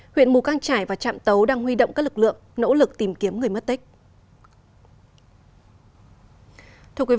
huyện mù căng trải và trạm tấu đang huy động các lực lượng nỗ lực tìm kiếm người mất tích